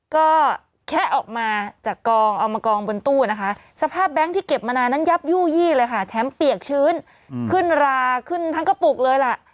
ก็แคะออกมาจากกองเอามากองบนตู้นะคะสภาพแบงค์ที่เก็บมานานนั้นยับยู่ยี่เลยค่ะแถมเปียกชื้นขึ้นราขึ้นทั้งกระปุกเลยล่ะ